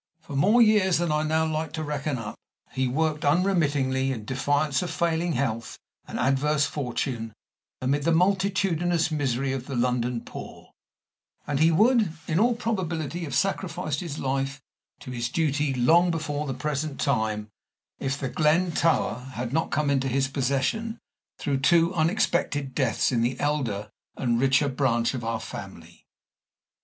For more years than I now like to reckon up, he worked unremittingly, in defiance of failing health and adverse fortune, amid the multitudinous misery of the London poor; and he would, in all probability, have sacrificed his life to his duty long before the present time if The Glen Tower had not come into his possession through two unexpected deaths in the elder and richer branch of our family.